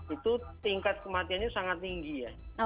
itu tingkat kematiannya sangat tinggi ya